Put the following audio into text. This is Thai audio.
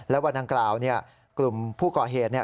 และวันดังกล่าวกลุ่มผู้ก่อเหตุ